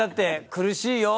苦しいよ。